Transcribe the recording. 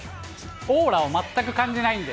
オーラを全く感じないんで。